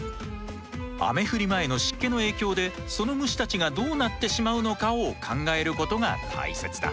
雨降り前の湿気の影響でその虫たちがどうなってしまうのかを考えることが大切だ。